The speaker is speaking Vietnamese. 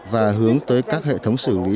và hướng tới các hệ thống xử lý